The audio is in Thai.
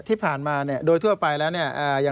ที่ผ่านมาเนี่ยโดยทั่วไปแล้วเนี่ย